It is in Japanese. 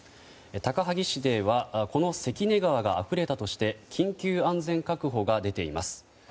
高萩市ではこの関根川があふれたとして緊急安全確保が出ています。